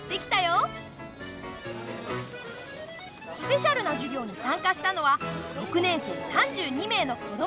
スペシャルな授業に参加したのは６年生３２名の子供たち！